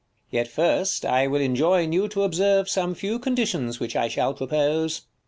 Yet first I will enjoin you to observe Some few conditions which I shall propose. Mum.